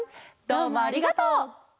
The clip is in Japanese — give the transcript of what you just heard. どうもありがとう。